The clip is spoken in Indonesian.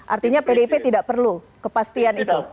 artinya pdip tidak perlu kepastian itu